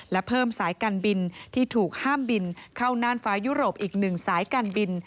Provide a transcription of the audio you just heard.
และเพิ่มสายการบินที่ถูกห้ามบินเข้าน่านฟ้ายุโรปอีก๑สายการบิน